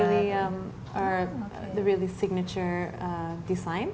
ini adalah design